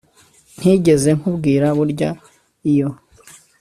ntigeze nkubwira burya iyo